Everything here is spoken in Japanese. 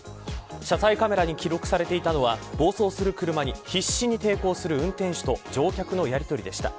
車載カメラに記録されていたのは暴走する車に必死に抵抗する運転手と乗客のやりとりでした。